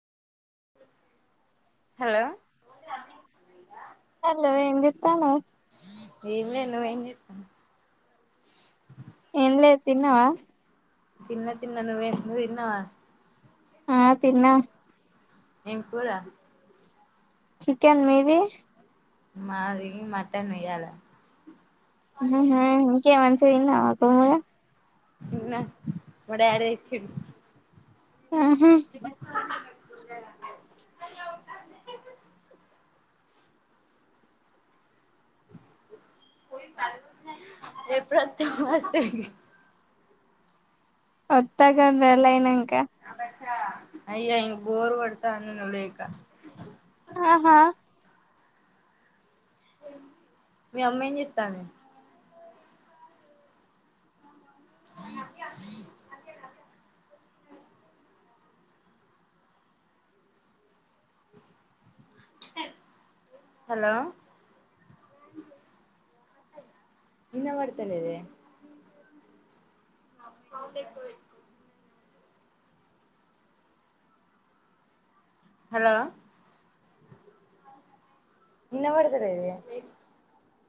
Hello hello ఏం జెత్తానవు? ఏంలేదు నువ్వేం జే ఏంలేదు. తిన్నవా? తిన్న తిన్న నువే నువ్వు తిన్నవా. ఆ తిన్నా. ఏం కూరా? చికెన్, మీది? మాది మటన్ ఇయ్యాల. ఉహ్ ఇంకే మంచిగా తిన్నవా కుమ్ముగా. తిన్నా మా డాడీ తెచ్చిండు. ఉహ్ ఎప్పుడత్తవు హాస్టల్ కి. వత్తగా నెల అయినంకా. అయ్యో ఇగ బోరు కొడతాంది నువ్వు లేకా. ఆహా మీ అమ్మ ఏంచెత్తాది? జీ జి హలో ఇన వడ్తలేదే. అద గుయ హలో ఇనవడ్తలేదే.